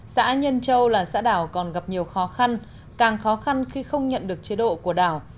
xã nhân châu là xã đảo còn gặp nhiều khó khăn càng khó khăn khi không nhận được chế độ của đảo